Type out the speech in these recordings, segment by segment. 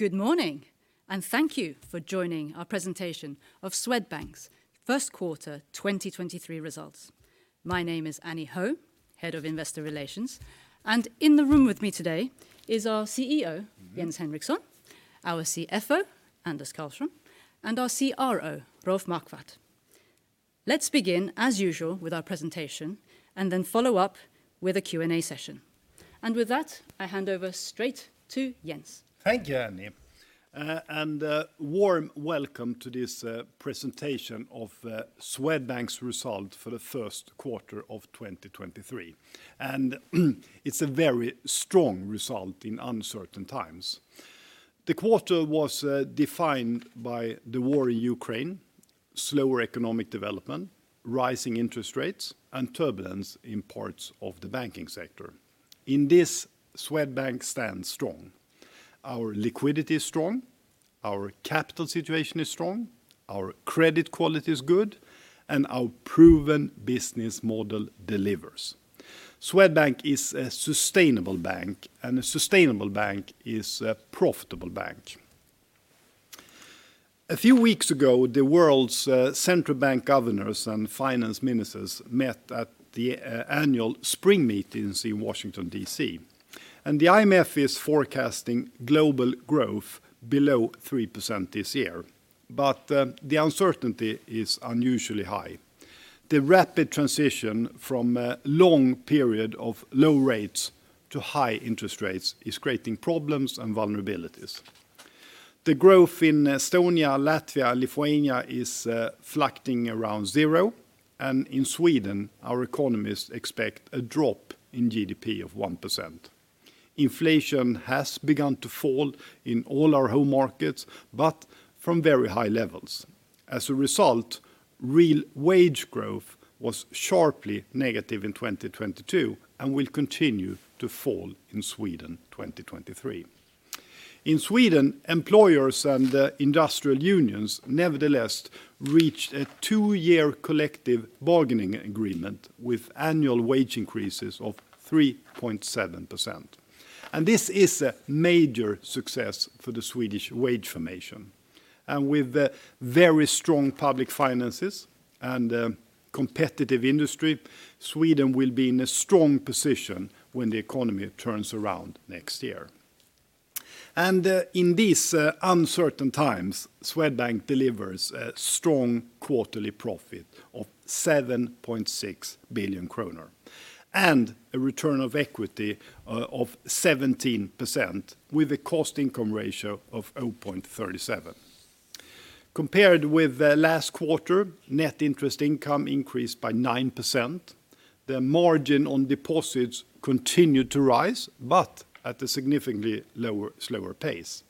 Good morning, thank you for joining our presentation of Swedbank's first quarter 2023 results. My name is Annie Ho, Head of Investor Relations, in the room with me today is our CEO, Jens Henriksson, our CFO, Anders Karlsson, and our CRO, Rolf Marquardt. Let's begin as usual with our presentation and then follow up with a Q&A session. With that, I hand over straight to Jens. Thank you, Annie. A warm welcome to this presentation of Swedbank's result for the first quarter of 2023. It's a very strong result in uncertain times. The quarter was defined by the war in Ukraine, slower economic development, rising interest rates, and turbulence in parts of the banking sector. In this, Swedbank stands strong. Our liquidity is strong, our capital situation is strong, our credit quality is good, and our proven business model delivers. Swedbank is a sustainable bank, and a sustainable bank is a profitable bank. A few weeks ago, the world's central bank governors and finance ministers met at the annual spring meetings in Washington D.C. The IMF is forecasting global growth below 3% this year, but the uncertainty is unusually high. The rapid transition from a long period of low rates to high interest rates is creating problems and vulnerabilities. The growth in Estonia, Latvia, Lithuania is fluctuating around zero, and in Sweden, our economies expect a drop in GDP of 1%. Inflation has begun to fall in all our home markets, but from very high levels. As a result, real wage growth was sharply negative in 2022 and will continue to fall in Sweden 2023. In Sweden, employers and industrial unions nevertheless reached a two-year collective bargaining agreement with annual wage increases of 3.7%. This is a major success for the Swedish wage formation. With very strong public finances and a competitive industry, Sweden will be in a strong position when the economy turns around next year. In these uncertain times, Swedbank delivers a strong quarterly profit of 7.6 billion kronor and a return of equity of 17% with a cost-income ratio of 0.37. Compared with last quarter, net interest income increased by 9%. The margin on deposits continued to rise, but at a significantly slower pace.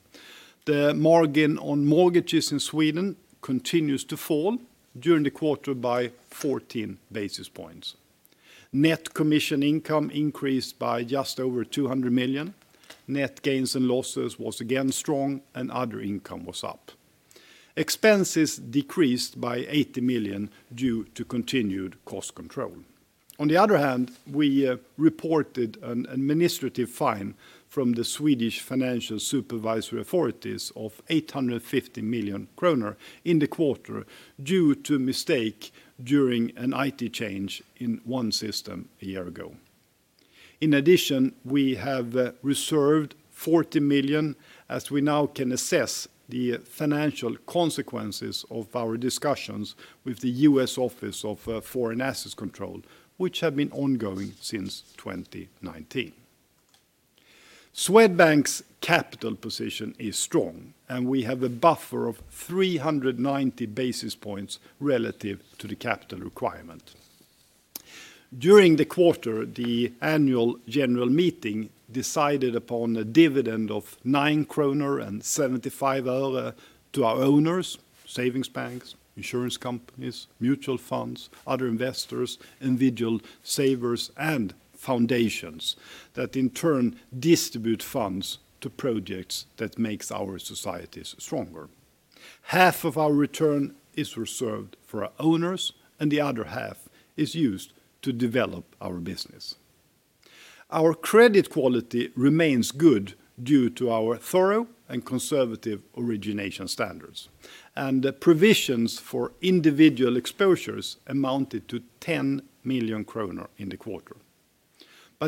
The margin on mortgages in Sweden continues to fall during the quarter by 14 basis points. Net commission income increased by just over 200 million. Net gains and losses was again strong, and other income was up. Expenses decreased by 80 million due to continued cost control. On the other hand, we reported an administrative fine from the Swedish Financial Supervisory Authorities of 850 million kronor in the quarter due to a mistake during an IT change in one system a year ago. In addition, we have reserved 40 million as we now can assess the financial consequences of our discussions with the U.S. Office of Foreign Assets Control, which have been ongoing since 2019. Swedbank's capital position is strong, and we have a buffer of 390 basis points relative to the capital requirement. During the quarter, the annual general meeting decided upon a dividend of SEK 9.75 to our owners, savings banks, insurance companies, mutual funds, other investors, individual savers, and foundations that in turn distribute funds to projects that makes our societies stronger. Half of our return is reserved for our owners, and the other half is used to develop our business. Our credit quality remains good due to our thorough and conservative origination standards, and the provisions for individual exposures amounted to 10 million kronor in the quarter.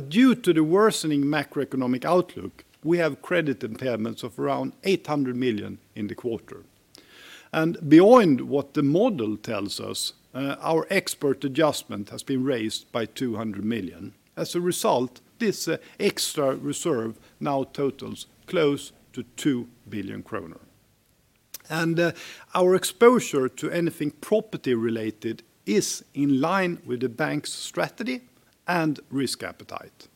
Due to the worsening macroeconomic outlook, we have credit impairments of around 800 million in the quarter. Beyond what the model tells us, our expert adjustment has been raised by 200 million. As a result, this extra reserve now totals close to 2 billion kronor. Our exposure to anything property related is in line with the bank's strategy and risk appetite.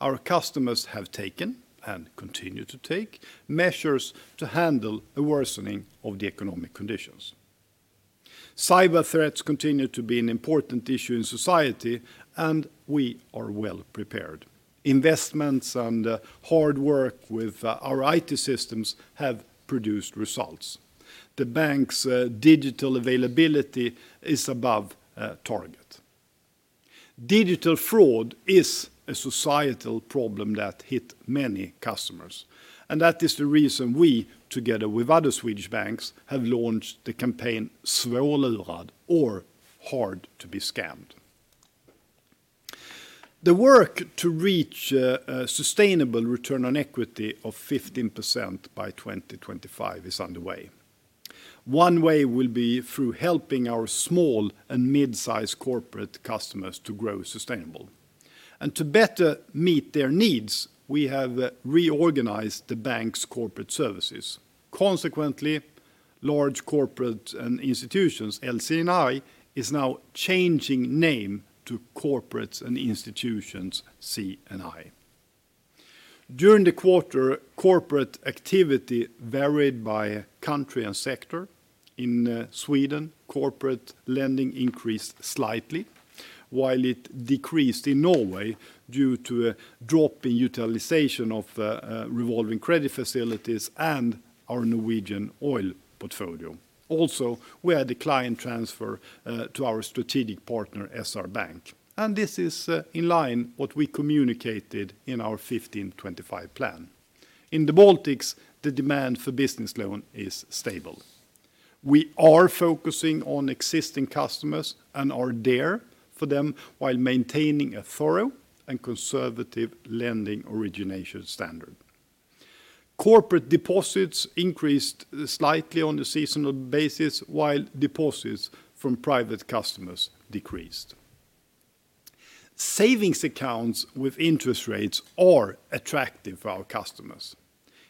Our customers have taken and continue to take measures to handle a worsening of the economic conditions. Cyber threats continue to be an important issue in society, and we are well prepared. Investments and hard work with our IT systems have produced results. The bank's digital availability is above target. Digital fraud is a societal problem that hit many customers, and that is the reason we, together with other Swedish banks, have launched the campaign Svårlurad or Hard to Be Scammed. The work to reach a sustainable return on equity of 15% by 2025 is underway. One way will be through helping our small and mid-size corporate customers to grow sustainable. To better meet their needs, we have reorganized the bank's corporate services. Consequently, Large Corporate and Institutions, LC&I, is now changing name to Corporates & Institutions, C&I. During the quarter, corporate activity varied by country and sector. In Sweden, corporate lending increased slightly, while it decreased in Norway due to a drop in utilization of revolving credit facilities and our Norwegian oil portfolio. We had a client transfer to our strategic partner SR Bank, and this is in line what we communicated in our 15 2025 plan. In the Baltics, the demand for business loan is stable. We are focusing on existing customers and are there for them while maintaining a thorough and conservative lending origination standard. Corporate deposits increased slightly on the seasonal basis while deposits from private customers decreased. Savings accounts with interest rates are attractive for our customers.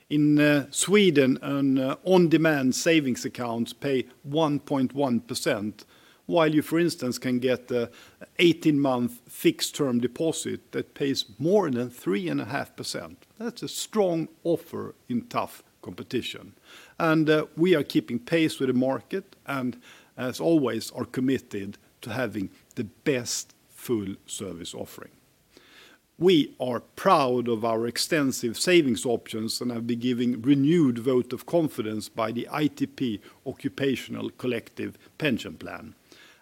In Sweden, an on-demand savings accounts pay 1.1%, while you, for instance, can get a 18-month fixed term deposit that pays more than 3.5%. That's a strong offer in tough competition. We are keeping pace with the market and as always are committed to having the best full service offering. We are proud of our extensive savings options and have been giving renewed vote of confidence by the ITP occupational Collective Pension Plan.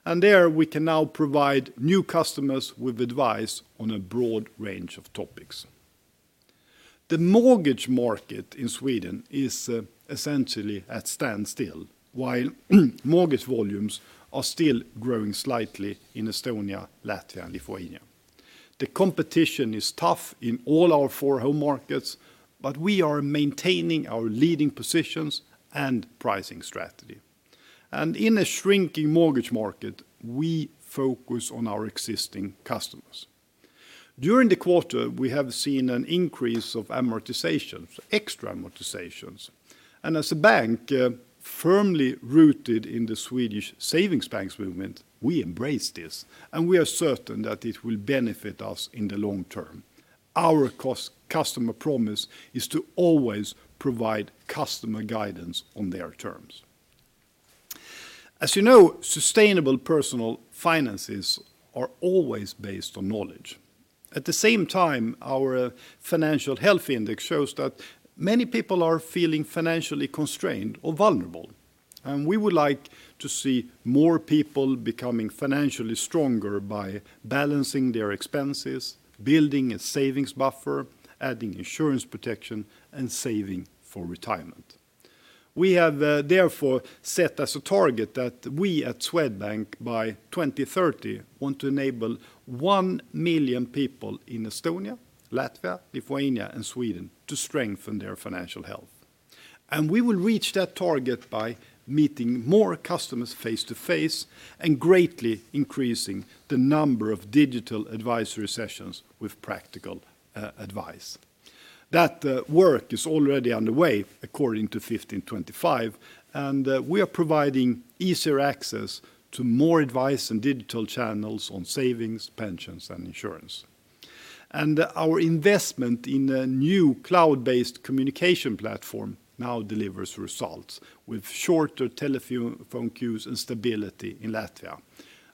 There we can now provide new customers with advice on a broad range of topics. The mortgage market in Sweden is essentially at standstill, while mortgage volumes are still growing slightly in Estonia, Latvia, and Lithuania. The competition is tough in all our four home markets, but we are maintaining our leading positions and pricing strategy. In a shrinking mortgage market, we focus on our existing customers. During the quarter, we have seen an increase of amortizations, extra amortizations. As a bank firmly rooted in the Swedish Savings Banks movement, we embrace this, and we are certain that it will benefit us in the long term. Our customer promise is to always provide customer guidance on their terms. As you know, sustainable personal finances are always based on knowledge. At the same time, our financial health index shows that many people are feeling financially constrained or vulnerable, and we would like to see more people becoming financially stronger by balancing their expenses, building a savings buffer, adding insurance protection, and saving for retirement. We have therefore set as a target that we at Swedbank by 2030 want to enable 1 million people in Estonia, Latvia, Lithuania, and Sweden to strengthen their financial health. We will reach that target by meeting more customers face to face and greatly increasing the number of digital advisory sessions with practical advice. That work is already underway according to 15% by 2025, and we are providing easier access to more advice and digital channels on savings, pensions, and insurance. Our investment in a new cloud-based communication platform now delivers results with shorter telephone queues and stability in Latvia,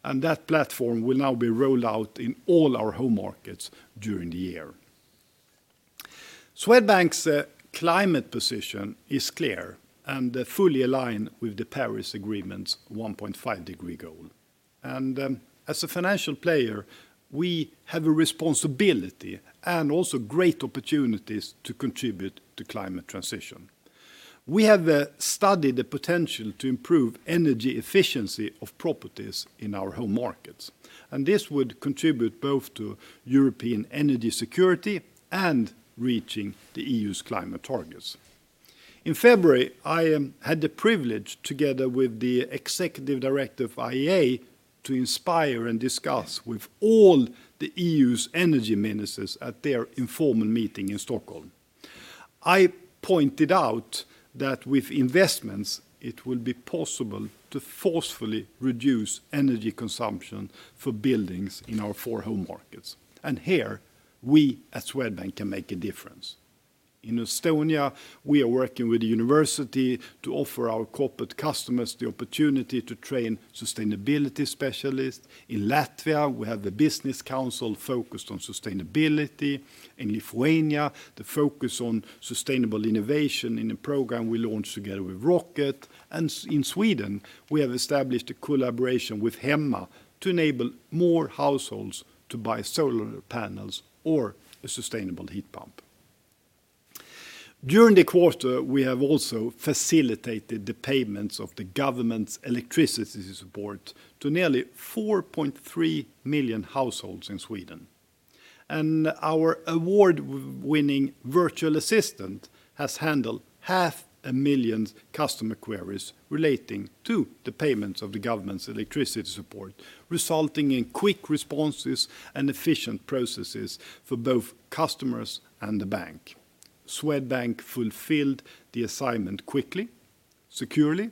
and that platform will now be rolled out in all our home markets during the year. Swedbank's climate position is clear and fully aligned with the Paris Agreement's 1.5 degree goal. As a financial player, we have a responsibility and also great opportunities to contribute to climate transition. We have studied the potential to improve energy efficiency of properties in our home markets, and this would contribute both to European energy security and reaching the E.U.'s climate targets. In February, I had the privilege together with the executive director of IEA to inspire and discuss with all the E.U.'s energy ministers at their informal meeting in Stockholm. I pointed out that with investments, it will be possible to forcefully reduce energy consumption for buildings in our four home markets. Here we at Swedbank can make a difference. In Estonia, we are working with the university to offer our corporate customers the opportunity to train sustainability specialists. In Latvia, we have the Business Council focused on sustainability. In Lithuania, the focus on sustainable innovation in a program we launched together with ROCKIT. In Sweden, we have established a collaboration with Hemma to enable more households to buy solar panels or a sustainable heat pump. During the quarter, we have also facilitated the payments of the government's electricity support to nearly 4.3 million households in Sweden. Our award-winning virtual assistant has handled half a million customer queries relating to the payments of the government's electricity support, resulting in quick responses and efficient processes for both customers and the bank. Swedbank fulfilled the assignment quickly, securely,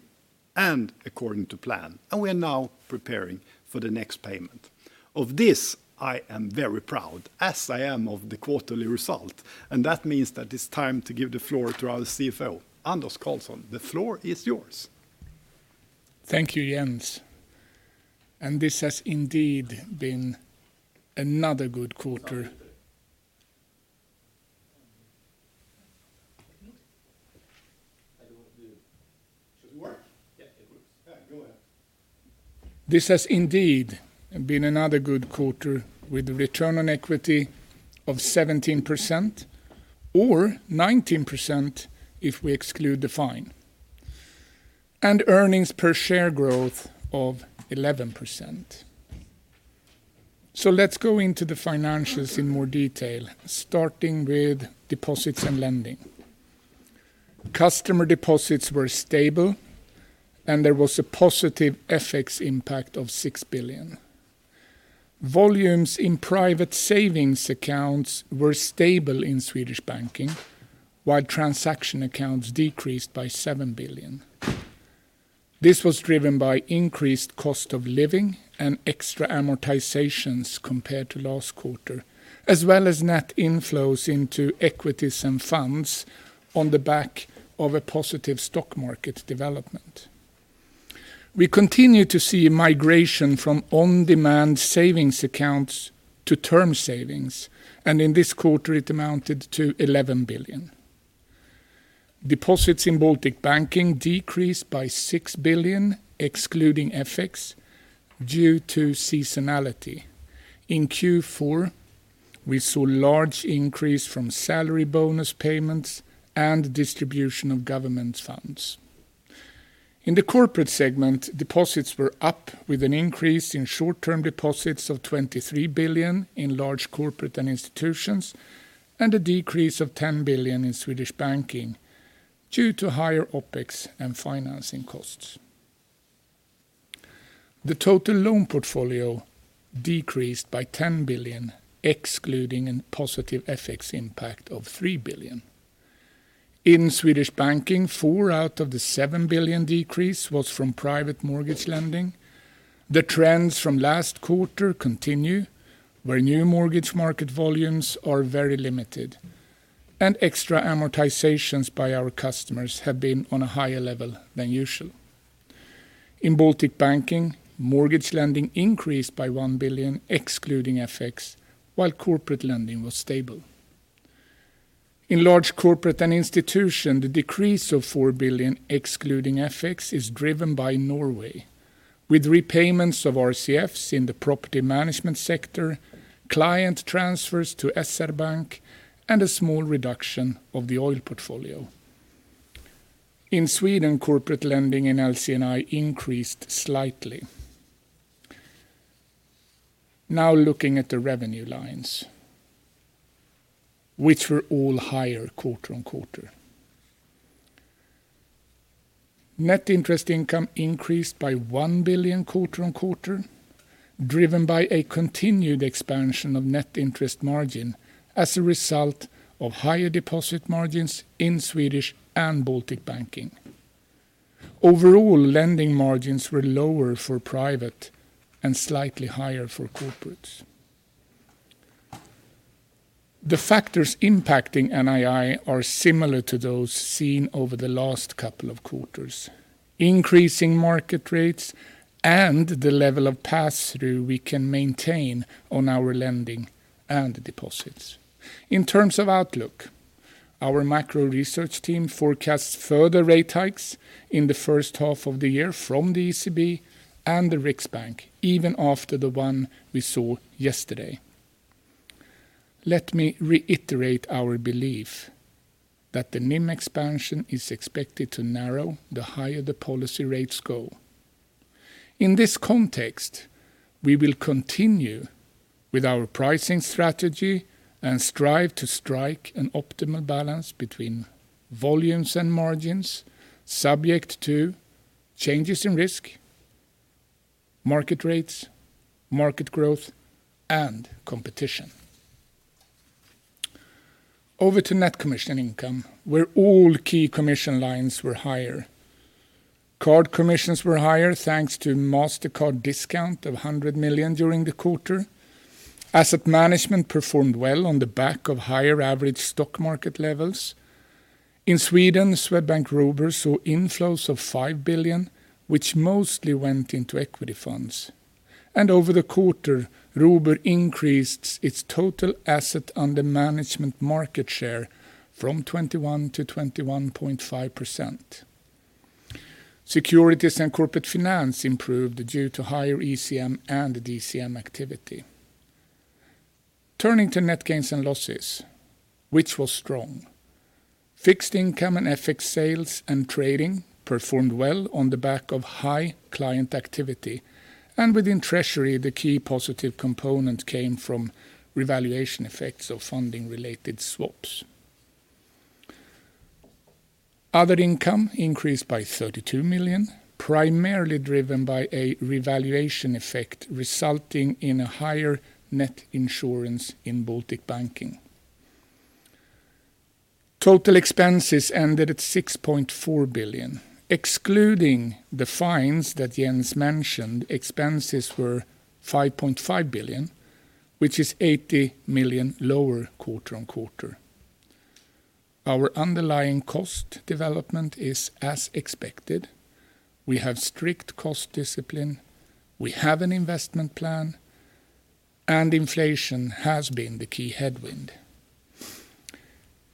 and according to plan, and we are now preparing for the next payment. Of this, I am very proud, as I am of the quarterly result, and that means that it's time to give the floor to our CFO, Anders Karlsson. The floor is yours. Thank you, Jens. This has indeed been another good quarter. Sorry. Okay. Does it work? Yeah, it works. Yeah, go ahead. This has indeed been another good quarter with return on equity of 17%, or 19% if we exclude the fine, and earnings per share growth of 11%. Let's go into the financials in more detail, starting with deposits and lending. Customer deposits were stable, and there was a positive FX impact of 6 billion. Volumes in private savings accounts were stable in Swedish banking, while transaction accounts decreased by 7 billion. This was driven by increased cost of living and extra amortizations compared to last quarter, as well as net inflows into equities and funds on the back of a positive stock market development. We continue to see migration from on-demand savings accounts to term savings, and in this quarter it amounted to 11 billion. Deposits in Baltic banking decreased by 6 billion, excluding FX, due to seasonality. In Q4, we saw large increase from salary bonus payments and distribution of government funds. In the corporate segment, deposits were up with an increase in short-term deposits of 23 billion in large corporate and institutions, and a decrease of 10 billion in Swedish banking due to higher OpEx and financing costs. The total loan portfolio decreased by 10 billion, excluding a positive FX impact of 3 billion. In Swedish banking, four out of the 7 billion decrease was from private mortgage lending. The trends from last quarter continue, where new mortgage market volumes are very limited, and extra amortizations by our customers have been on a higher level than usual. In Baltic banking, mortgage lending increased by 1 billion, excluding FX, while corporate lending was stable. In large corporate and institution, the decrease of 4 billion, excluding FX, is driven by Norway, with repayments of RCFs in the property management sector, client transfers to SR Bank, and a small reduction of the oil portfolio. In Sweden, corporate lending in LC&I increased slightly. Looking at the revenue lines, which were all higher quarter-on-quarter. Net interest income increased by 1 billion quarter-on-quarter, driven by a continued expansion of net interest margin as a result of higher deposit margins in Swedish and Baltic banking. Overall, lending margins were lower for private and slightly higher for corporates. The factors impacting NII are similar to those seen over the last couple of quarters, increasing market rates and the level of pass-through we can maintain on our lending and deposits. In terms of outlook, our macro research team forecasts further rate hikes in the first half of the year from the ECB and the Riksbank, even after the one we saw yesterday. Let me reiterate our belief that the NIM expansion is expected to narrow the higher the policy rates go. In this context, we will continue with our pricing strategy and strive to strike an optimal balance between volumes and margins, subject to changes in risk, market rates, market growth, and competition. Over to net commission income, where all key commission lines were higher. Card commissions were higher thanks to Mastercard discount of 100 million during the quarter. Asset management performed well on the back of higher average stock market levels. In Sweden, Swedbank Robur saw inflows of 5 billion, which mostly went into equity funds. Over the quarter, Swedbank Robur increased its total asset under management market share from 21% to 21.5%. Securities and corporate finance improved due to higher ECM and DCM activity. Turning to net gains and losses, which was strong. Fixed income and FX sales and trading performed well on the back of high client activity. Within treasury, the key positive component came from revaluation effects of funding related swaps. Other income increased by 32 million, primarily driven by a revaluation effect resulting in a higher net insurance in Baltic banking. Total expenses ended at 6.4 billion. Excluding the fines that Jens mentioned, expenses were 5.5 billion, which is 80 million lower quarter-over-quarter. Our underlying cost development is as expected. We have strict cost discipline, we have an investment plan, and inflation has been the key headwind.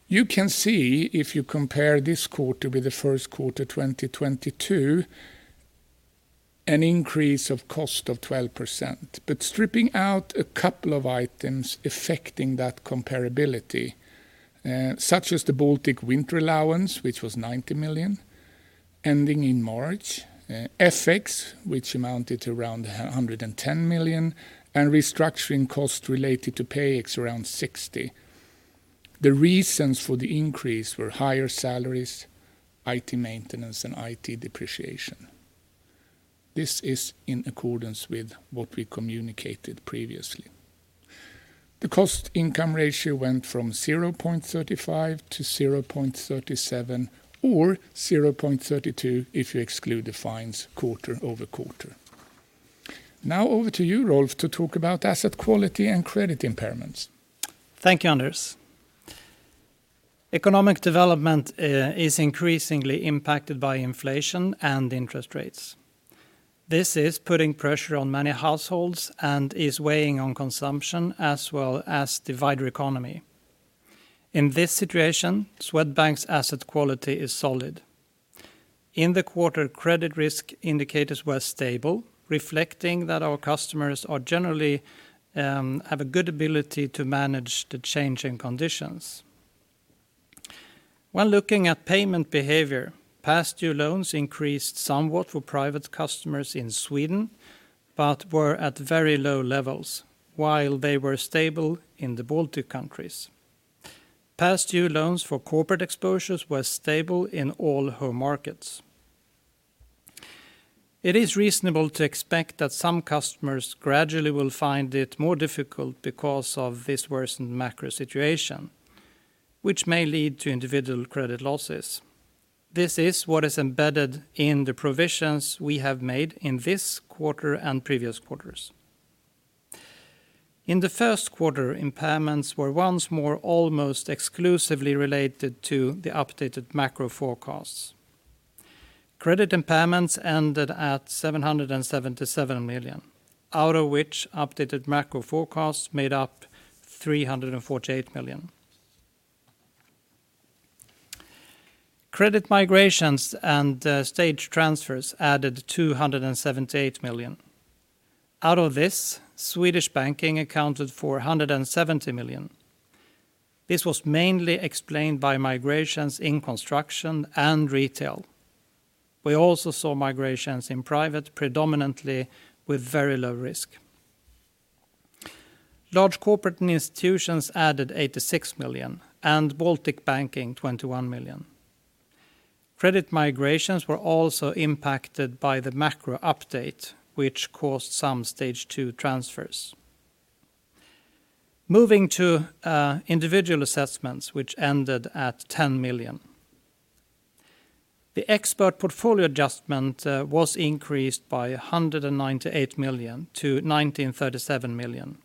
You can see if you compare this quarter with the first quarter 2022, an increase of cost of 12%. Stripping out a couple of items affecting that comparability, such as the Baltic winter allowance, which was 90 million ending in March, FX, which amounted to around 110 million, and restructuring costs related to PayEx around 60 million. The reasons for the increase were higher salaries, IT maintenance and IT depreciation. This is in accordance with what we communicated previously. The cost income ratio went from 0.35-0.37, or 0.32 if you exclude the fines quarter-over-quarter. Over to you Rolf to talk about asset quality and credit impairments. Thank you, Anders. Economic development is increasingly impacted by inflation and interest rates. This is putting pressure on many households and is weighing on consumption as well as the wider economy. In this situation, Swedbank's asset quality is solid. In the quarter, credit risk indicators were stable, reflecting that our customers are generally have a good ability to manage the change in conditions. When looking at payment behavior, past due loans increased somewhat for private customers in Sweden, but were at very low levels while they were stable in the Baltic countries. Past due loans for corporate exposures were stable in all home markets. It is reasonable to expect that some customers gradually will find it more difficult because of this worsened macro situation, which may lead to individual credit losses. This is what is embedded in the provisions we have made in this quarter and previous quarters. In the first quarter, impairments were once more almost exclusively related to the updated macro forecasts. Credit impairments ended at 777 million, out of which updated macro forecasts made up 348 million. Credit migrations and stage transfers added 278 million. Out of this, Swedish banking accounted for 170 million. This was mainly explained by migrations in construction and retail. We also saw migrations in private, predominantly with very low risk. Large corporate and institutions added 86 million and Baltic banking 21 million. Credit migrations were also impacted by the macro update, which caused some stage two transfers. Moving to individual assessments which ended at 10 million. The expert portfolio adjustment was increased by 198 million-1,937 million.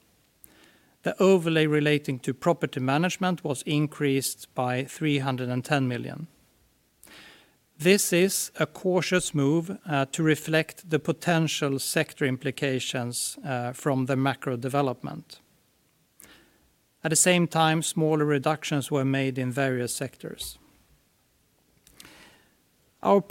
The overlay relating to property management was increased by 310 million. This is a cautious move to reflect the potential sector implications from the macro development. At the same time, smaller reductions were made in various sectors. Our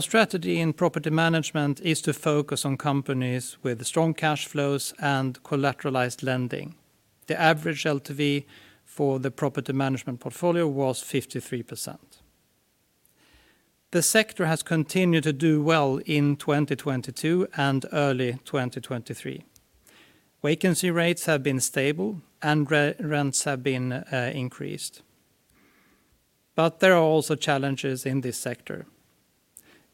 strategy in property management is to focus on companies with strong cash flows and collateralized lending. The average LTV for the property management portfolio was 53%. The sector has continued to do well in 2022 and early 2023. Vacancy rates have been stable and rents have been increased. There are also challenges in this sector.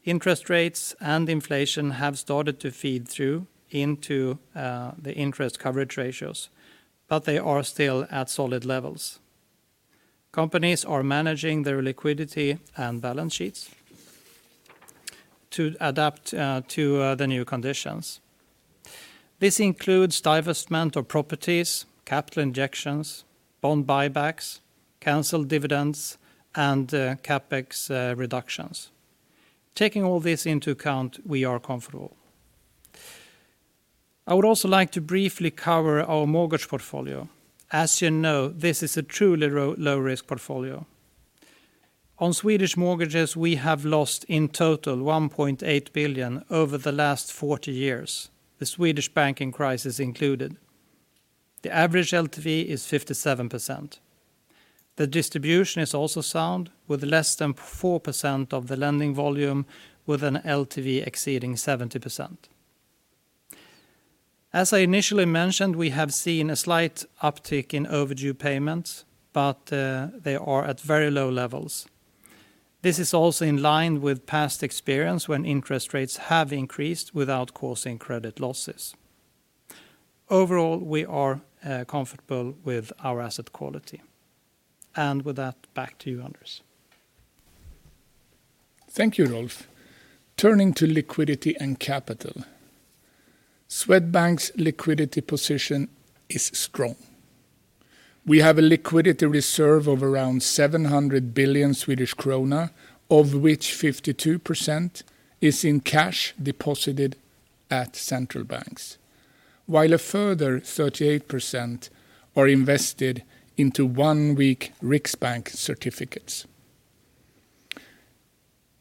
Interest rates and inflation have started to feed through into the interest coverage ratios. They are still at solid levels. Companies are managing their liquidity and balance sheets to adapt to the new conditions. This includes divestment of properties, capital injections, bond buybacks, canceled dividends, and CapEx reductions. Taking all this into account, we are comfortable. I would also like to briefly cover our mortgage portfolio. As you know, this is a truly low risk portfolio. On Swedish mortgages, we have lost in total 1.8 billion over the last 40 years, the Swedish banking crisis included. The average LTV is 57%. The distribution is also sound with less than 4% of the lending volume with an LTV exceeding 70%. As I initially mentioned, we have seen a slight uptick in overdue payments, but they are at very low levels. This is also in line with past experience when interest rates have increased without causing credit losses. Overall, we are comfortable with our asset quality. With that, back to you, Anders. Thank you, Rolf. Turning to liquidity and capital. Swedbank's liquidity position is strong. We have a liquidity reserve of around 700 billion Swedish krona, of which 52% is in cash deposited at central banks, while a further 38% are invested into one-week Riksbank certificates.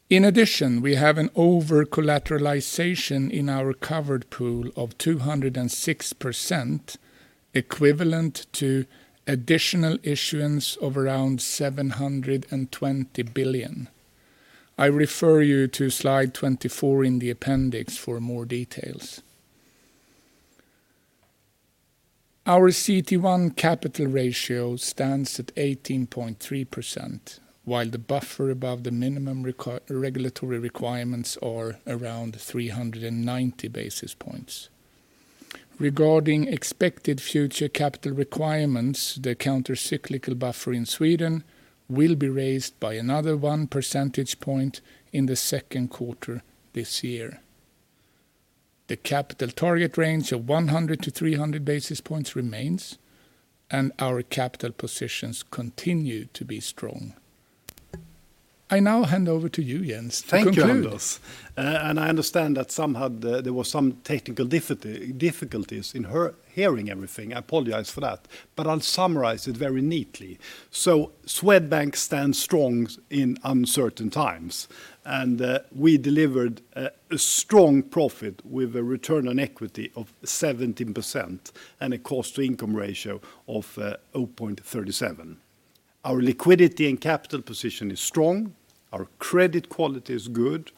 In addition, we have an over-collateralization in our covered pool of 206% equivalent to additional issuance of around 720 billion. I refer you to Slide 24 in the appendix for more details. Our CET1 capital ratio stands at 18.3%, while the buffer above the minimum regulatory requirements are around 390 basis points. Regarding expected future capital requirements, the countercyclical buffer in Sweden will be raised by another 1 percentage point in the second quarter this year. The capital target range of 100-300 basis points remains. Our capital positions continue to be strong. I now hand over to you, Jens, to conclude. Thank you, Anders. I understand that somehow there was some technical difficulties in hearing everything. I apologize for that. I'll summarize it very neatly. Swedbank stands strong in uncertain times. We delivered a strong profit with a return on equity of 17% and a cost-to-income ratio of 0.37. Our liquidity and capital position is strong, our credit quality is good,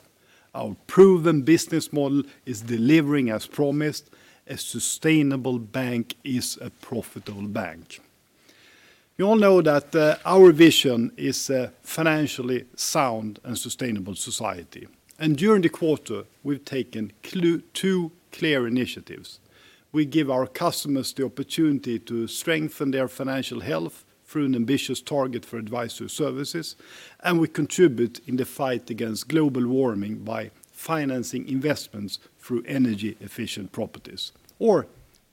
our proven business model is delivering as promised. A sustainable bank is a profitable bank. You all know that our vision is a financially sound and sustainable society. During the quarter, we've taken two clear initiatives. We give our customers the opportunity to strengthen their financial health through an ambitious target for advisory services. We contribute in the fight against global warming by financing investments through energy-efficient properties.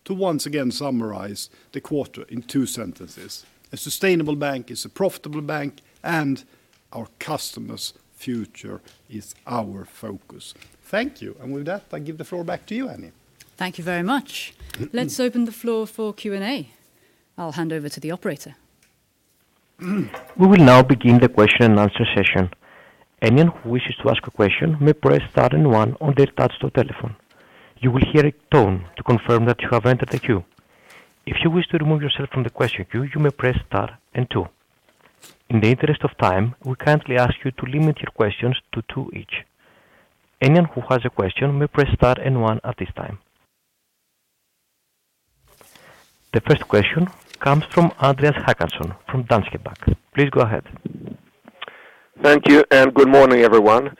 To once again summarize the quarter in two sentences, a sustainable bank is a profitable bank, and our customers' future is our focus. Thank you. With that, I give the floor back to you, Annie. Thank you very much. Let's open the floor for Q&A. I'll hand over to the operator. We will now begin the question-and-answer session. Anyone who wishes to ask a question may press star and one on their touch-tone telephone. You will hear a tone to confirm that you have entered the queue. If you wish to remove yourself from the question queue, you may press star and two. In the interest of time, we kindly ask you to limit your questions to two each. Anyone who has a question may press star and one at this time. The first question comes from Andreas Håkansson from Danske Bank. Please go ahead. Thank you, and good morning, everyone.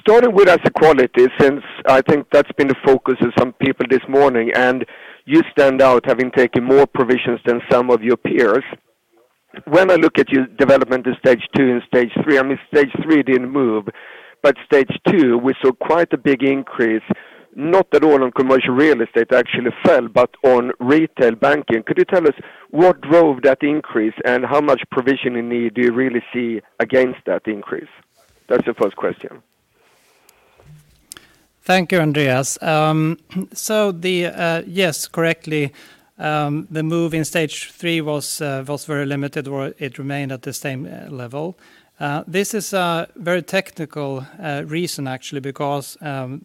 Starting with asset quality, since I think that's been the focus of some people this morning, and you stand out having taken more provisions than some of your peers. When I look at your development in Stage 2 and Stage 3, I mean, Stage 3 didn't move, but Stage 2, we saw quite a big increase, not at all on commercial real estate actually fell, but on retail banking. Could you tell us what drove that increase and how much provision in need do you really see against that increase? That's the first question. Thank you, Andreas. Yes, correctly, the move in stage three was very limited, where it remained at the same level. This is a very technical reason actually because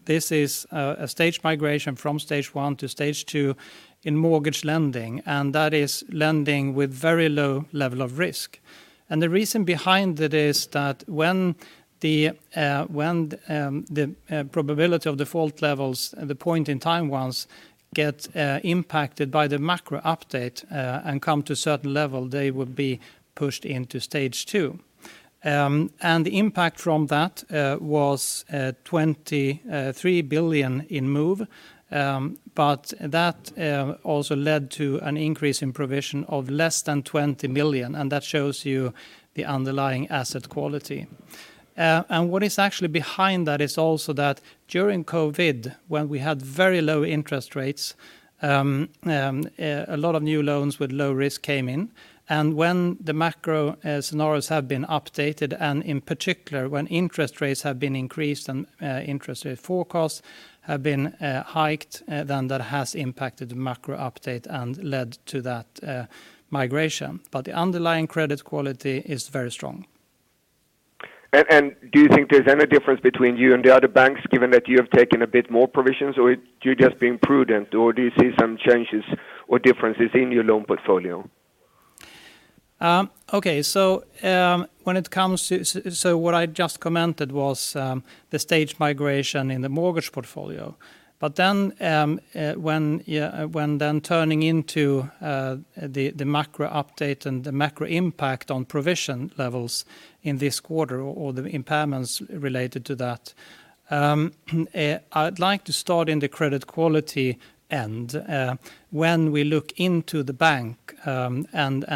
this is a stage migration from stage one to stage two in mortgage lending, and that is lending with very low level of risk. The reason behind it is that when the probability of default levels at the point in time ones get impacted by the macro update and come to a certain level, they would be pushed into Stage 2. The impact from that was 23 billion in move, but that also led to an increase in provision of less than 20 billion, and that shows you the underlying asset quality. What is actually behind that is also that during COVID, when we had very low interest rates, a lot of new loans with low risk came in. When the macro scenarios have been updated, and in particular, when interest rates have been increased and interest rate forecasts have been hiked, then that has impacted the macro update and led to that migration. The underlying credit quality is very strong. Do you think there's any difference between you and the other banks given that you have taken a bit more provisions? Or you're just being prudent or do you see some changes or differences in your loan portfolio? Okay. When it comes to what I just commented was the stage migration in the mortgage portfolio. When turning into the macro update and the macro impact on provision levels in this quarter or the impairments related to that. I'd like to start in the credit quality end when we look into the bank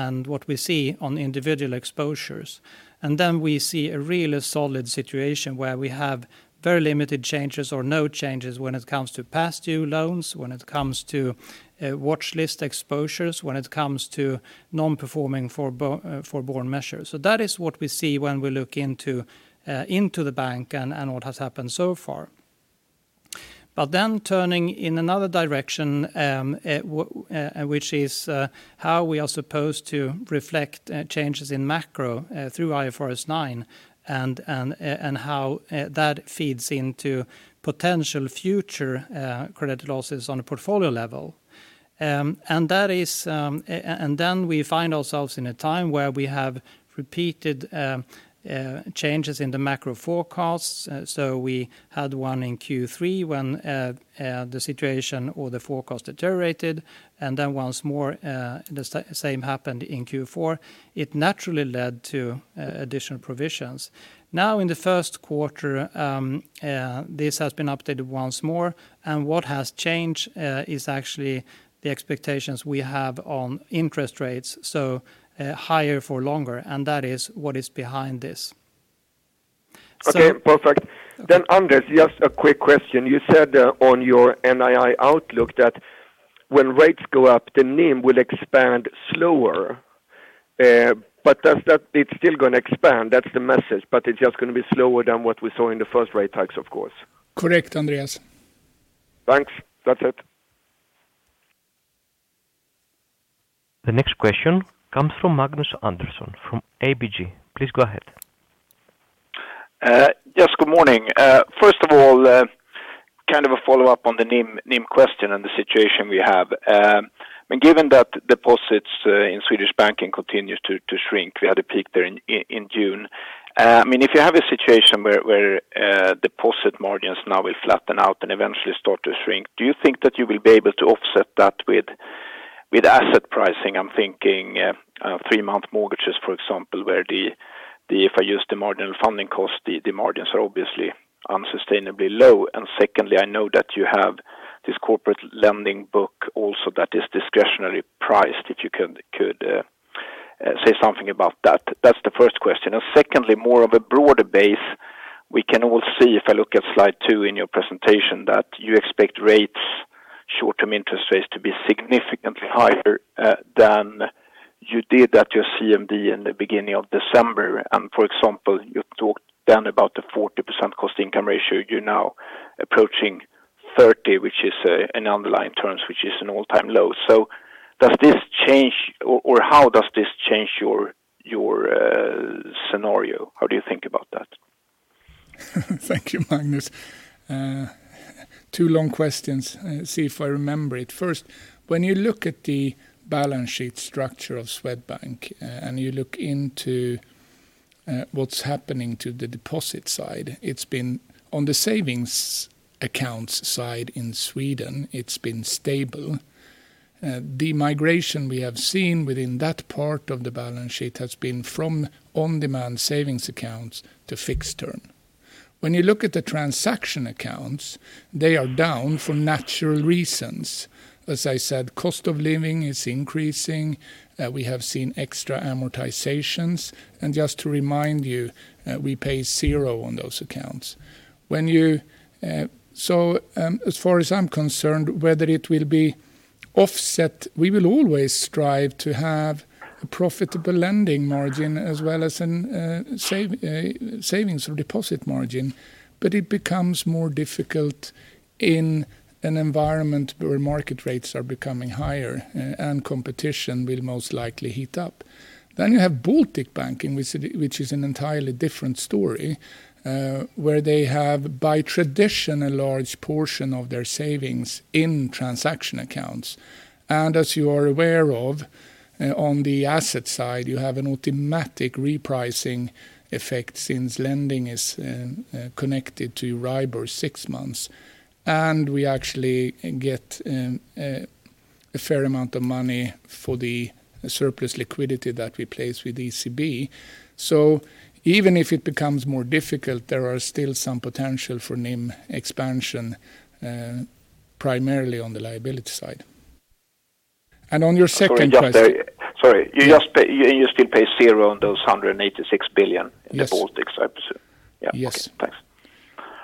and what we see on individual exposures, and then we see a really solid situation where we have very limited changes or no changes when it comes to past due loans, when it comes to watchlist exposures, when it comes to non-performing forborne measures. That is what we see when we look into the bank and what has happened so far. Turning in another direction, which is how we are supposed to reflect changes in macro through IFRS 9 and how that feeds into potential future credit losses on a portfolio level. We find ourselves in a time where we have repeated changes in the macro forecasts. We had one in Q3 when the situation or the forecast deteriorated, and then once more, the same happened in Q4. It naturally led to additional provisions. Now in the first quarter, this has been updated once more. What has changed is actually the expectations we have on interest rates, so higher for longer, and that is what is behind this. Okay, perfect. Anders, just a quick question. You said on your NII outlook that when rates go up, the NIM will expand slower. It's still gonna expand, that's the message, but it's just gonna be slower than what we saw in the first rate hikes, of course. Correct, Andreas. Thanks. That's it. The next question comes from Magnus Andersson from ABG. Please go ahead. Yes, good morning. First of all, kind of a follow-up on the NIM question and the situation we have. Given that deposits in Swedish banking continues to shrink, we had a peak there in June. I mean, if you have a situation where deposit margins now will flatten out and eventually start to shrink, do you think that you will be able to offset that with asset pricing? I'm thinking three month mortgages, for example, where the, if I use the marginal funding cost, the margins are obviously unsustainably low. Secondly, I know that you have this corporate lending book also that is discretionary priced, if you could say something about that. That's the first question. Secondly, more of a broader base, we can all see if I look at Slide 2 in your presentation, that you expect rates, short-term interest rates to be significantly higher than you did at your CMD in the beginning of December. For example, you talked down about the 40% cost-income ratio. You're now approaching 30, which is in underlying terms, which is an all-time low. Does this change or how does this change your scenario? How do you think about that? Thank you, Magnus. Two long questions. Let's see if I remember it. First, when you look at the balance sheet structure of Swedbank, and you look into what's happening to the deposit side, it's been on the savings accounts side in Sweden, it's been stable. The migration we have seen within that part of the balance sheet has been from on-demand savings accounts to fixed term. When you look at the transaction accounts, they are down for natural reasons. As I said, cost of living is increasing, we have seen extra amortizations. Just to remind you, we pay zero on those accounts. As far as I'm concerned, whether it will be offset, we will always strive to have a profitable lending margin as well as a savings or deposit margin. It becomes more difficult in an environment where market rates are becoming higher and competition will most likely heat up. You have Baltic Banking, which is an entirely different story, where they have, by tradition, a large portion of their savings in transaction accounts. As you are aware of, on the asset side, you have an automatic repricing effect since lending is connected to STIBOR or six months. We actually get a fair amount of money for the surplus liquidity that we place with ECB. Even if it becomes more difficult, there are still some potential for NIM expansion, primarily on the liability side. On your second question- Sorry, just there. Sorry, you still pay zero on those 186 billion?- Yes. -in the Baltics, I presume. Yes. Yeah. Okay.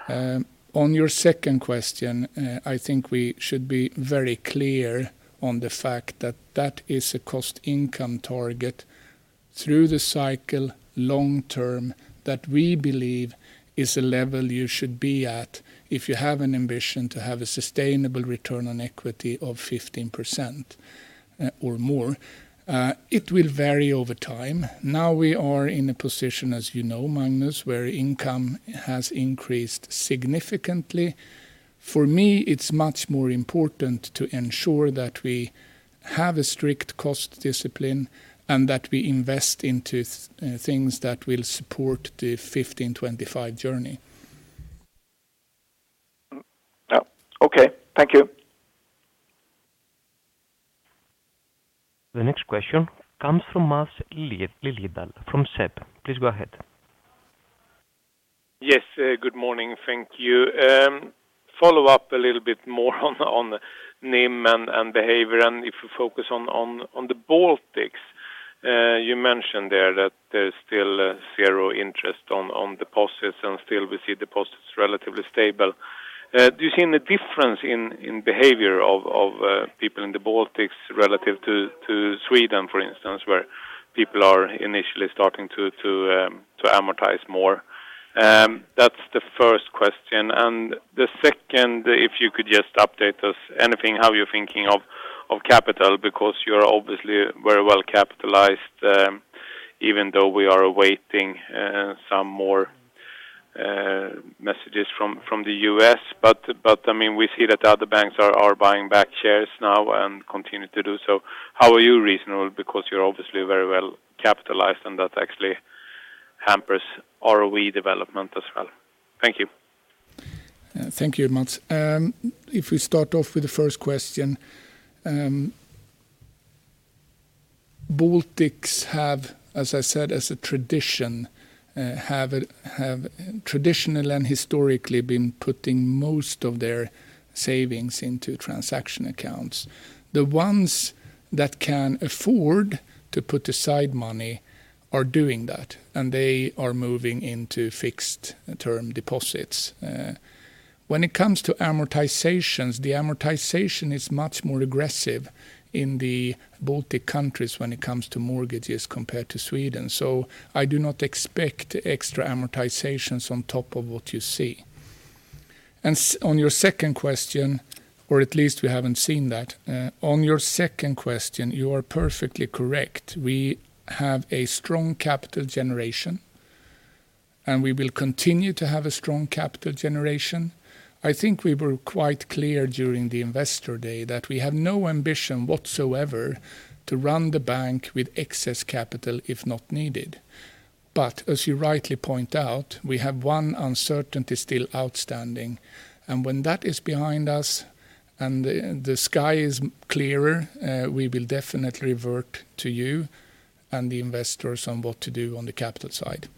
Thanks. On your second question, I think we should be very clear on the fact that that is a cost income target through the cycle long term that we believe is a level you should be at if you have an ambition to have a sustainable return on equity of 15% or more. It will vary over time. Now we are in a position, as you know, Magnus, where income has increased significantly For me, it's much more important to ensure that we have a strict cost discipline and that we invest into things that will support the 15 2025 journey. Yeah. Okay. Thank you. The next question comes from Maths Liljedahl from SEB. Please go ahead. Yes, good morning. Thank you. Follow up a little bit more on the NIM and behavior, and if you focus on the Baltics. You mentioned there that there's still zero interest on deposits and still we see deposits relatively stable. Do you see any difference in behavior of people in the Baltics relative to Sweden, for instance, where people are initially starting to amortize more? That's the first question. The second, if you could just update us anything how you're thinking of capital, because you're obviously very well capitalized, even though we are awaiting some more messages from the U.S. I mean, we see that other banks are buying back shares now and continue to do so. How are you reasoning? You're obviously very well capitalized, and that actually hampers ROE development as well. Thank you. Thank you, Maths. If we start off with the first question, Baltics have, as I said, as a tradition, have traditional and historically been putting most of their savings into transaction accounts. The ones that can afford to put aside money are doing that, and they are moving into fixed term deposits. When it comes to amortizations, the amortization is much more aggressive in the Baltic countries when it comes to mortgages compared to Sweden. I do not expect extra amortizations on top of what you see. At least we haven't seen that. On your second question, you are perfectly correct. We have a strong capital generation, and we will continue to have a strong capital generation. I think we were quite clear during the Investor Day that we have no ambition whatsoever to run the bank with excess capital if not needed. As you rightly point out, we have one uncertainty still outstanding. When that is behind us and the sky is clearer, we will definitely revert to you and the investors on what to do on the capital side.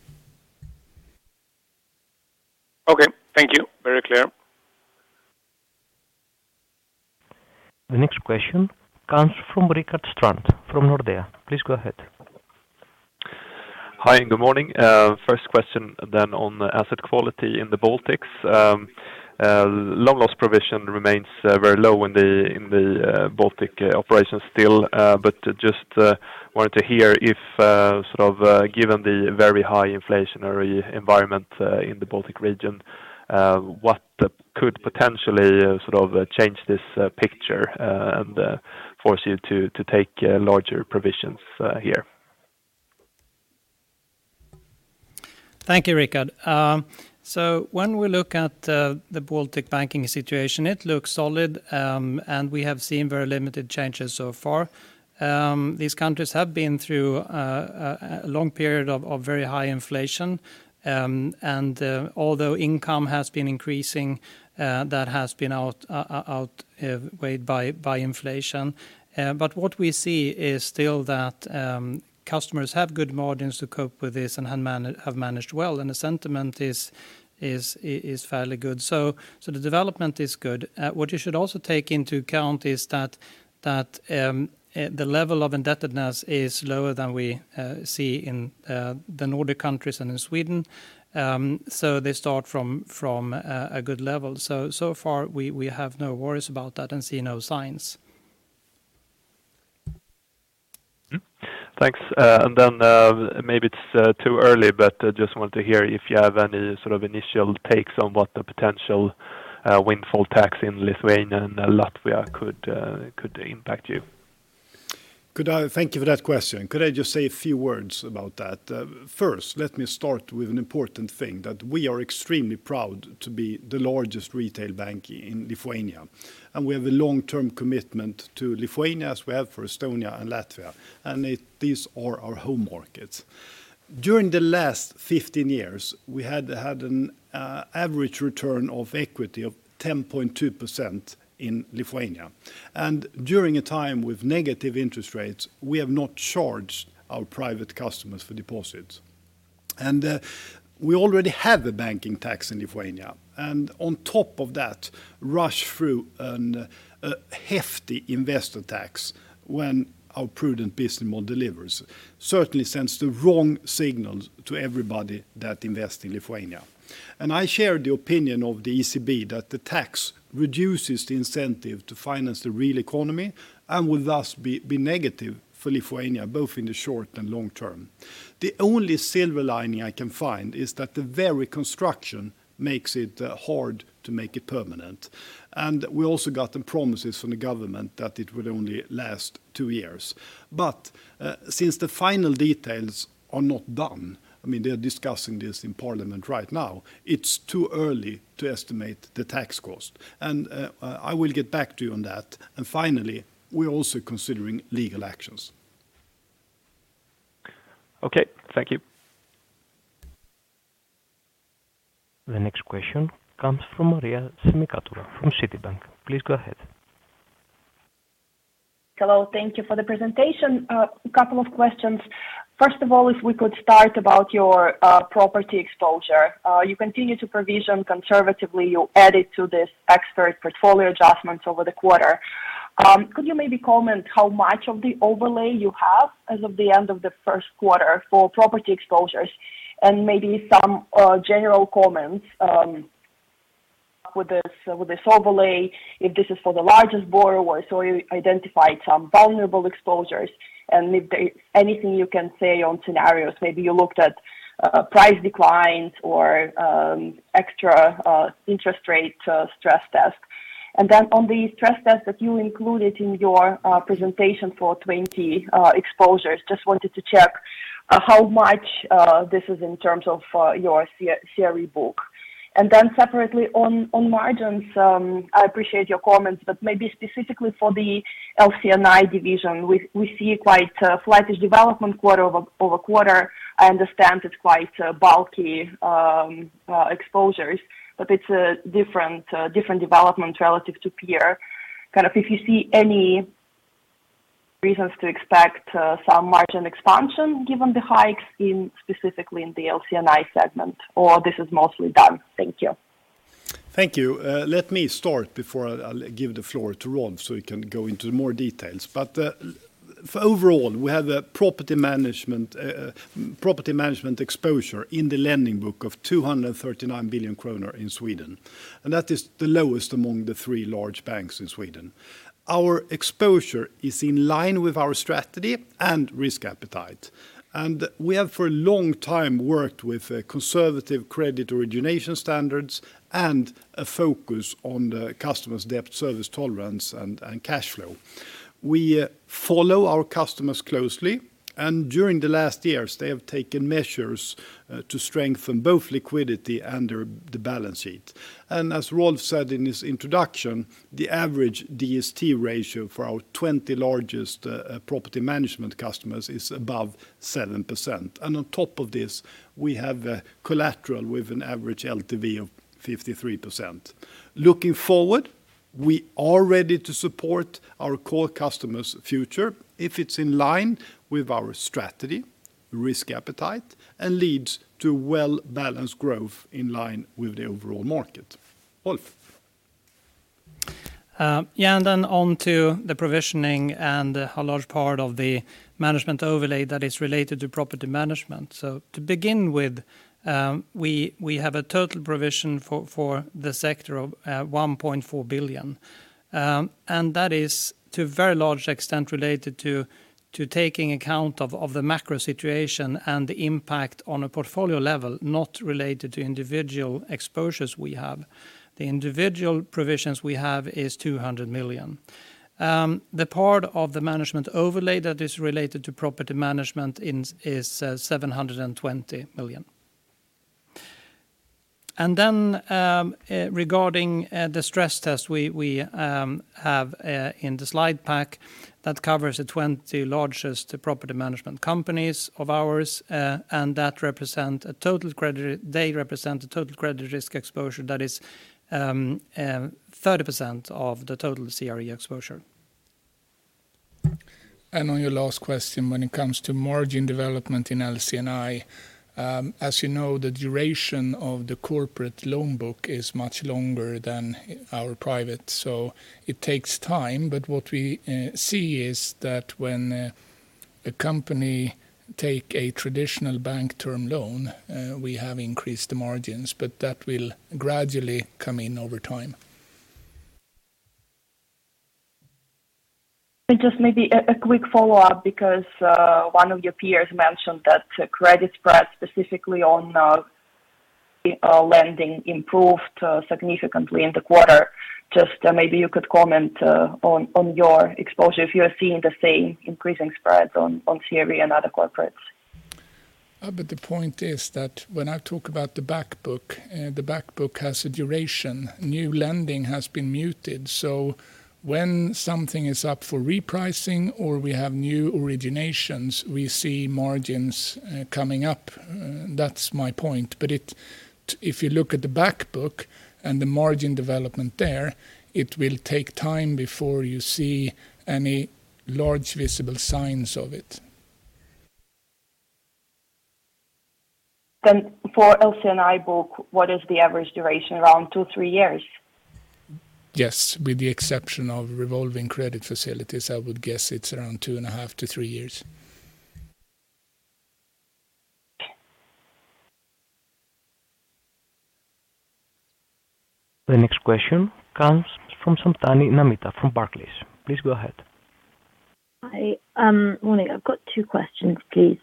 Okay. Thank you. Very clear. The next question comes from Rickard Strand from Nordea. Please go ahead. Hi, good morning. First question on asset quality in the Baltics. Loan loss provision remains very low in the Baltic operations still. Just wanted to hear if, sort of, given the very high inflationary environment in the Baltic region, what could potentially, sort of change this picture, and force you to take larger provisions here? Thank you, Rickard. When we look at the Baltic banking situation, it looks solid, and we have seen very limited changes so far. These countries have been through a long period of very high inflation. Although income has been increasing, that has been outweighed by inflation. What we see is still that customers have good margins to cope with this and have managed well, and the sentiment is fairly good. The development is good. What you should also take into account is that the level of indebtedness is lower than we see in the Nordic countries and in Sweden. They start from a good level. So far, we have no worries about that and see no signs. Thanks. Maybe it's too early, but I just want to hear if you have any sort of initial takes on what the potential windfall tax in Lithuania and Latvia could impact you. Thank you for that question. Could I just say a few words about that? First, let me start with an important thing, that we are extremely proud to be the largest retail bank in Lithuania, and we have a long-term commitment to Lithuania, as we have for Estonia and Latvia, and these are our home markets. During the last 15 years, we had had an average return of equity of 10.2% in Lithuania. During a time with negative interest rates, we have not charged our private customers for deposits. We already have a banking tax in Lithuania. On top of that, rush through a hefty investor tax when our prudent business model delivers certainly sends the wrong signals to everybody that invest in Lithuania. I share the opinion of the ECB that the tax reduces the incentive to finance the real economy and will thus be negative for Lithuania, both in the short and long term. The only silver lining I can find is that the very construction makes it hard to make it permanent. We also got the promises from the government that it will only last two years. Since the final details are not done, I mean, they are discussing this in parliament right now, it's too early to estimate the tax cost. I will get back to you on that. Finally, we're also considering legal actions. Okay. Thank you. The next question comes from Maria Semikhatova from Citi. Please go ahead. Hello. Thank you for the presentation. A couple of questions. First of all, if we could start about your property exposure. You continue to provision conservatively, you added to this expert portfolio adjustments over the quarter. Could you maybe comment how much of the overlay you have as of the end of the first quarter for property exposures and maybe some general comments with this, with this overlay, if this is for the largest borrower, so you identified some vulnerable exposures and if there anything you can say on scenarios, maybe you looked at price declines or extra interest rate stress test? On the stress test that you included in your presentation for 20 exposures, just wanted to check how much this is in terms of your CR-CRE book. Separately on margins, I appreciate your comments, but maybe specifically for the LC&I division, we see quite a flattish development quarter-over-quarter. I understand it's quite bulky exposures, but it's a different development relative to peer. Kind of if you see any reasons to expect some margin expansion given the hikes in specifically in the LC&I segment, or this is mostly done? Thank you. Thank you. Let me start before I give the floor to Rolf, so he can go into more details. For overall, we have a property management, property management exposure in the lending book of 239 billion kronor in Sweden, and that is the lowest among the three large banks in Sweden. Our exposure is in line with our strategy and risk appetite, and we have for a long time worked with conservative credit origination standards and a focus on the customer's debt service tolerance and cash flow. We follow our customers closely, and during the last years, they have taken measures to strengthen both liquidity and the balance sheet. As Rolf said in his introduction, the average DST ratio for our 20 largest property management customers is above 7%. On top of this, we have a collateral with an average LTV of 53%. Looking forward, we are ready to support our core customers' future if it's in line with our strategy, risk appetite, and leads to well-balanced growth in line with the overall market. Rolf. Yeah. On to the provisioning and a large part of the management overlay that is related to property management. To begin with, we have a total provision for the sector of 1.4 billion. That is to a very large extent related to taking account of the macro situation and the impact on a portfolio level, not related to individual exposures we have. The individual provisions we have is 200 million. The part of the management overlay that is related to property management is 720 million. Regarding the stress test we have in the slide pack that covers the 20 largest property management companies of ours, and that represent a total credit risk exposure that is 30% of the total CRE exposure. On your last question, when it comes to margin development in LC&I, as you know, the duration of the corporate loan book is much longer than our private, so it takes time. What we see is that when a company take a traditional bank term loan, we have increased the margins, but that will gradually come in over time. Just maybe a quick follow-up because one of your peers mentioned that credit spreads specifically on lending improved significantly in the quarter. Just maybe you could comment on your exposure if you are seeing the same increasing spreads on CRE and other corporates. The point is that when I talk about the back book, the back book has a duration. New lending has been muted. When something is up for repricing or we have new originations, we see margins coming up. That's my point. If you look at the back book and the margin development there, it will take time before you see any large visible signs of it. For LC&I book, what is the average duration? Around two, three years? Yes. With the exception of revolving credit facilities, I would guess it's around two and a half to three years. The next question comes from Namita Samtani from Barclays. Please go ahead. Hi. Morning. I've got two questions, please.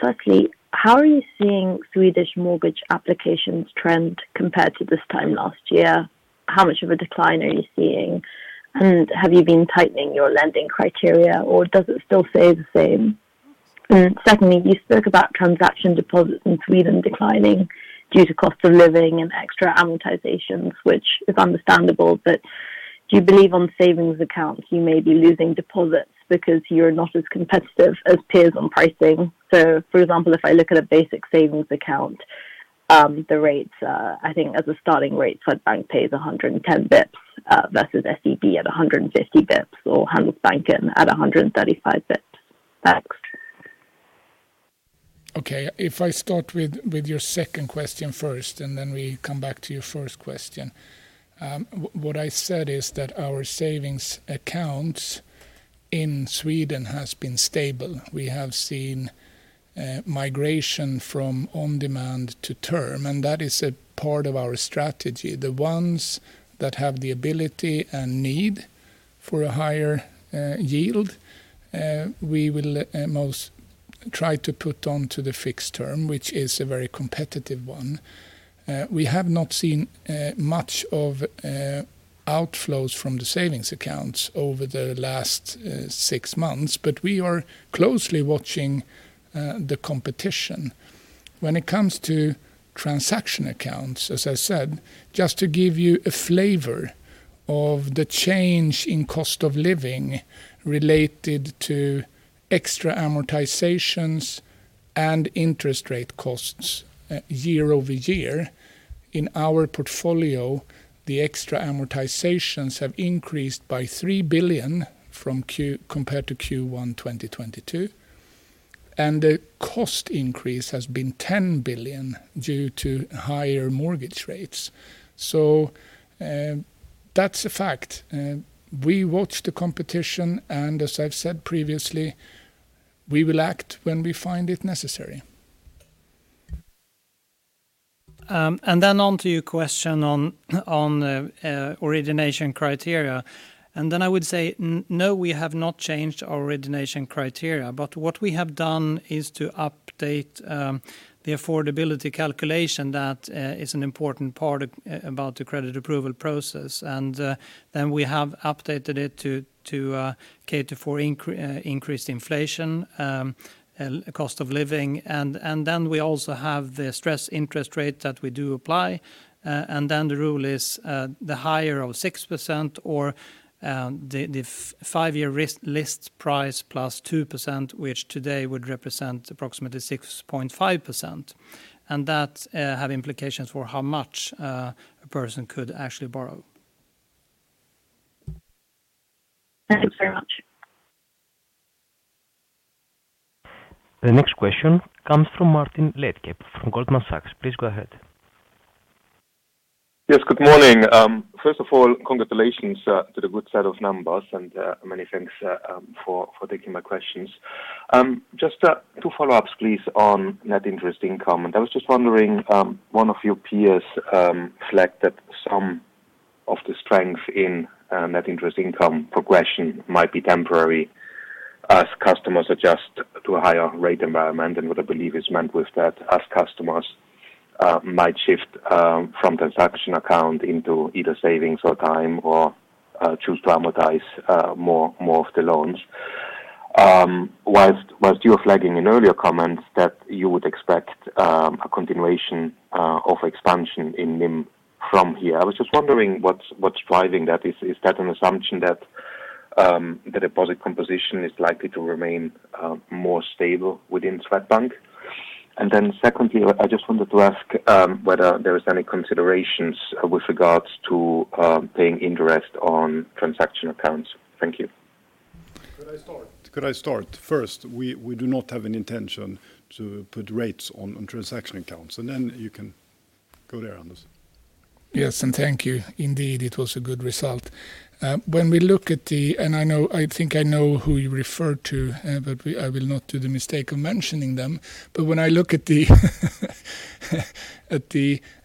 Firstly, how are you seeing Swedish mortgage applications trend compared to this time last year? How much of a decline are you seeing? Have you been tightening your lending criteria or does it still stay the same? Do you believe on savings accounts you may be losing deposits because you're not as competitive as peers on pricing? For example, if I look at a basic savings account, the rates are, I think as a starting rate, Swedbank pays 110 bps versus SEB at 150 bps or Handelsbanken at 135 bps. Thanks. Okay. If I start with your second question first, and then we come back to your first question. What I said is that our savings accounts in Sweden has been stable. We have seen migration from on-demand to term, and that is a part of our strategy. The ones that have the ability and need for a higher yield, we will most try to put onto the fixed term, which is a very competitive one. We have not seen much of outflows from the savings accounts over the last six months, but we are closely watching the competition. When it comes to transaction accounts, as I said, just to give you a flavor of the change in cost of living related to extra amortizations and interest rate costs, year-over-year. In our portfolio, the extra amortizations have increased by 3 billion compared to Q1 2022. The cost increase has been 10 billion due to higher mortgage rates. That's a fact. We watch the competition. As I've said previously, we will act when we find it necessary. Onto your question on origination criteria. I would say no, we have not changed our origination criteria. What we have done is to update the affordability calculation that is an important part about the credit approval process. We have updated it to cater for increased inflation, cost of living. We also have the stress interest rate that we do apply. The rule is the higher of 6% or the five year list price plus 2%, which today would represent approximately 6.5%. That has implications for how much a person could actually borrow. Thanks very much. The next question comes from Martin Leitgeb from Goldman Sachs. Please go ahead. Yes, good morning. First of all, congratulations to the good set of numbers and many thanks for taking my questions. Just two follow-ups please on net interest income. I was just wondering, one of your peers flagged that some of the strength in net interest income progression might be temporary as customers adjust to a higher rate environment. What I believe is meant with that, as customers might shift from transaction account into either savings or time or choose to amortize more of the loans. Whilst you were flagging in earlier comments that you would expect a continuation of expansion in NIM from here, I was just wondering what's driving that. Is that an assumption that the deposit composition is likely to remain more stable within Swedbank? Secondly, I just wanted to ask whether there is any considerations with regards to paying interest on transaction accounts. Thank you. Could I start? First, we do not have an intention to put rates on transaction accounts, and then you can go there, Anders. Yes, thank you. Indeed, it was a good result. I think I know who you refer to, but we, I will not do the mistake of mentioning them. When I look at the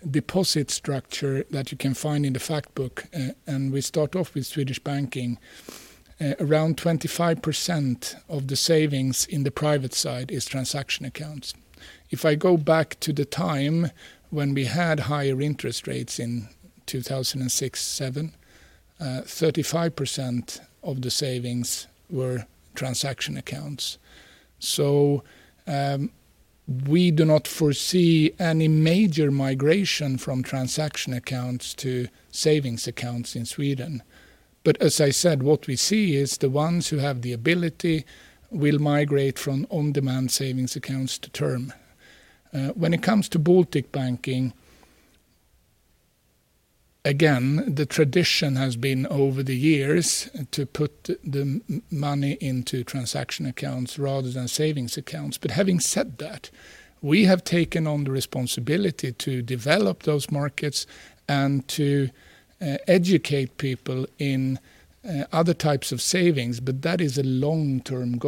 deposit structure that you can find in the fact book, we start off with Swedish banking, around 25% of the savings in the private side is transaction accounts. If I go back to the time when we had higher interest rates in 2006, 2007, 35% of the savings were transaction accounts. We do not foresee any major migration from transaction accounts to savings accounts in Sweden. As I said, what we see is the ones who have the ability will migrate from on-demand savings accounts to term. When it comes to Baltic banking, again, the tradition has been over the years to put the money into transaction accounts rather than savings accounts. Having said that, we have taken on the responsibility to develop those markets and to educate people in other types of savings, but that is a long-term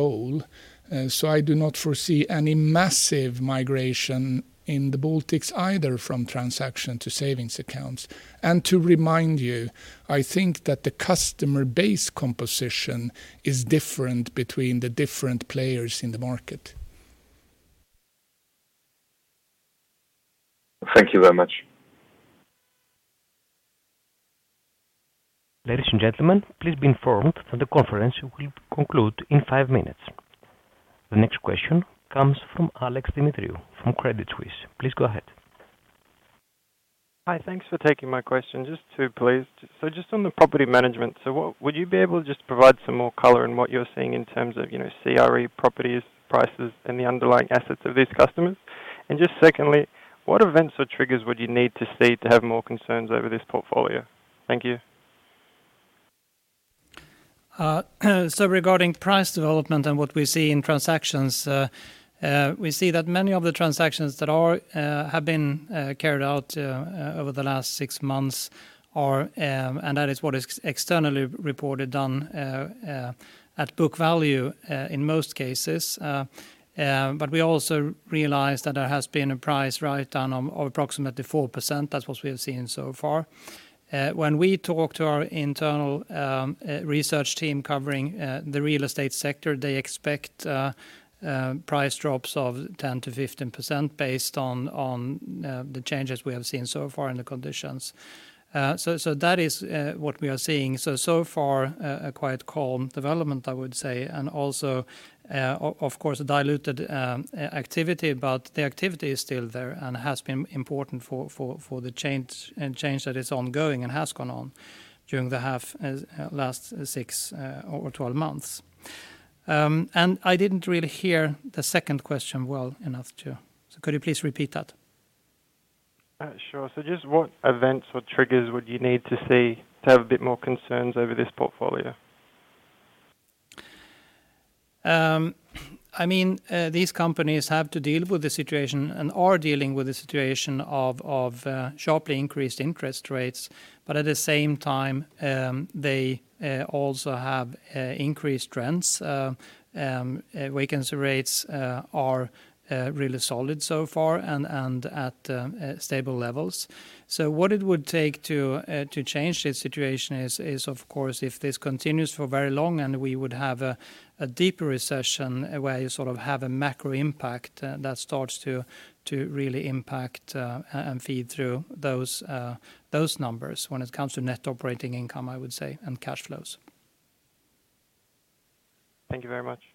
goal. I do not foresee any massive migration in the Baltics either from transaction to savings accounts. To remind you, I think that the customer base composition is different between the different players in the market. Thank you very much. Ladies and gentlemen, please be informed that the conference will conclude in five minutes. The next question comes from Alex Demetriou from Credit Suisse. Please go ahead. Hi. Thanks for taking my question. Just two, please. Just on the property management, would you be able to just provide some more color on what you're seeing in terms of, you know, CRE properties, prices, and the underlying assets of these customers? Just secondly, what events or triggers would you need to see to have more concerns over this portfolio? Thank you. Regarding price development and what we see in transactions, we see that many of the transactions that are have been carried out over the last six months are, and that is what is externally reported on at book value in most cases. We also realize that there has been a price write-down of approximately 4%. That's what we have seen so far. When we talk to our internal research team covering the real estate sector, they expect price drops of 10%-15% based on the changes we have seen so far in the conditions. That is what we are seeing. Far a quite calm development, I would say, and also, of course, diluted activity, but the activity is still there and has been important for the change, and change that is ongoing and has gone on during the last six or 12 months. I didn't really hear the second question well enough to. Could you please repeat that? Sure. Just what events or triggers would you need to see to have a bit more concerns over this portfolio? I mean, these companies have to deal with the situation and are dealing with the situation of sharply increased interest rates. At the same time, they also have increased rents. Vacancy rates are really solid so far and at stable levels. What it would take to change this situation is, of course, if this continues for very long and we would have a deeper recession where you sort of have a macro impact that starts to really impact and feed through those numbers when it comes to net operating income, I would say, and cash flows. Thank you very much.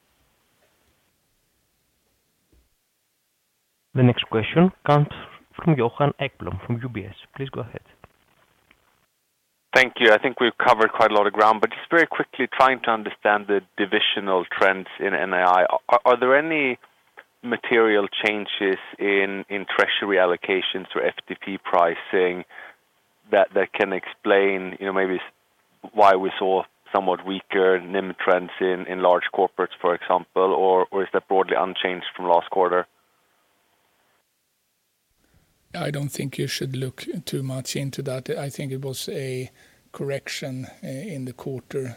The next question comes from Johan Ekblom from UBS. Please go ahead. Thank you. I think we've covered quite a lot of ground, but just very quickly trying to understand the divisional trends in NII. Are there any material changes in treasury allocations to FTP pricing that can explain, you know, maybe why we saw somewhat weaker NIM trends in large corporates, for example, or is that broadly unchanged from last quarter? I don't think you should look too much into that. I think it was a correction in the quarter.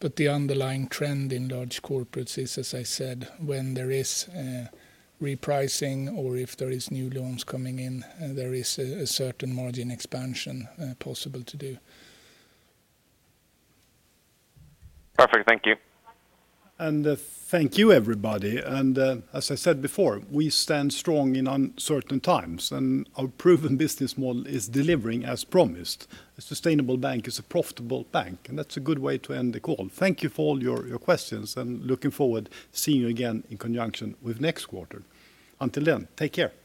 The underlying trend in large corporates is, as I said, when there is repricing or if there is new loans coming in, there is a certain margin expansion possible to do. Perfect. Thank you. Thank you, everybody. As I said before, we stand strong in uncertain times, and our proven business model is delivering as promised. A sustainable bank is a profitable bank, and that's a good way to end the call. Thank you for all your questions, and looking forward to seeing you again in conjunction with next quarter. Until then, take care.